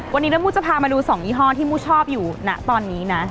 วันนี้น้ำมูจะพามาดู๒ยี่ห้อที่มูชอบอยู่นะตอนนี้นะ